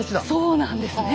そうなんですね！